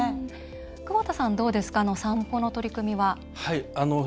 久保田さん、どうですかサンポの取り組みは。